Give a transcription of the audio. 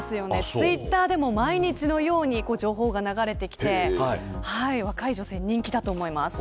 ツイッターでも毎日のように情報が流れてきて若い女性に人気だと思います。